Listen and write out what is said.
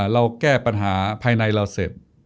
เราแก้ปัญหาภายในเราเสร็จ